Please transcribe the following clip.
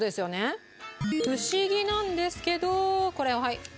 フシギなんですけどこれをはい。